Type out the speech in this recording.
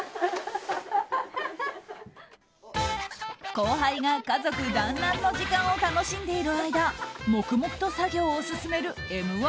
後輩が家族団らんの時間を楽しんでいる間黙々と作業を進める「Ｍ‐１」